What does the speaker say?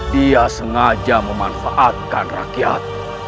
dia sengaja memanfaatkan rakyat